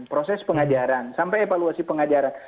proses pengajaran sampai evaluasi pengajaran